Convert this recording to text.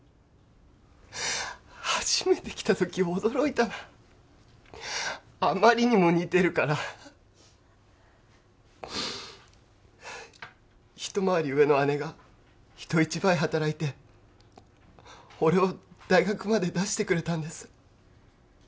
初めて来た時驚いたなあまりにも似てるから一回り上の姉が人一倍働いて俺を大学まで出してくれたんです